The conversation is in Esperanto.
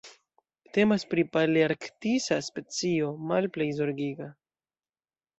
Temas pri palearktisa specio Malplej Zorgiga.